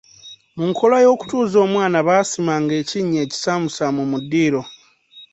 Mu nkola y'okutuuza omwana, baasimanga ekinnya ekisaamusaamu mu ddiiro.